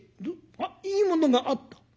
あっいいものがあった」。